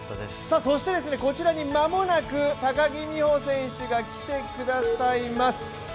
そしてこちらに間もなく高木美帆選手が来て下さいます。